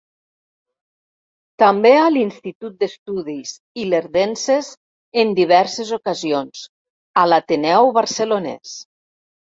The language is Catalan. També a l'Institut d'Estudis Ilerdenses en diverses ocasions, a l'Ateneu Barcelonès.